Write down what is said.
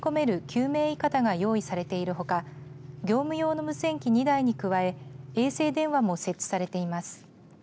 救命いかだが用意されているほか業務用の無線機２台に加え衛星電話も設置されています。